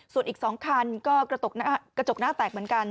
ส่วนอีก๒คันก็กระจกหน้าแตกเหมือนกัน